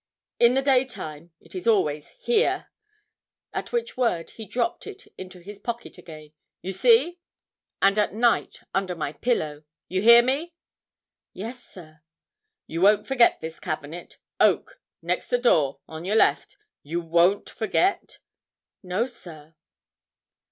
'In the daytime it is always here,' at which word he dropped it into his pocket again. 'You see? and at night under my pillow you hear me?' 'Yes, sir.' 'You won't forget this cabinet oak next the door on your left you won't forget?' 'No, sir.'